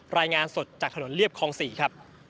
รายงานสดจากถนนเรียบคลอง๔ครับ